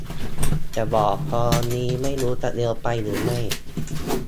แต่บอกตอนนี้ไม่รู้จะเร็วไปหรือไม่